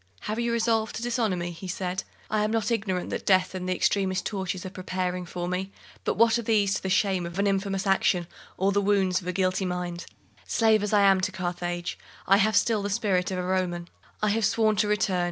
"Have you resolved to dishonour me?" he said. "I am not ignorant that death and the extremest tortures are preparing for me; but what are these to the shame of an infamous action, or the wounds of a guilty mind? Slave as I am to Carthage, I have still the spirit of a Roman. I have sworn to return.